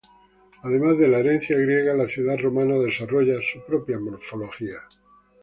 Además de la herencia griega, la ciudad romana desarrolla su propia morfología.